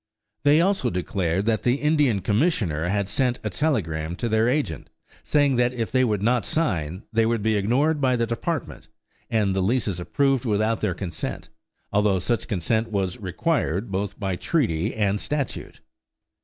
They also declared that the Indian Commissioner had sent a telegram to their agent saying that if they would not sign they would be ignored by the Department, and the leases approved without their consent, although such consent was required both by treaty and statute.